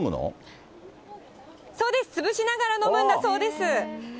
そうです、潰しながら飲むんだそうです。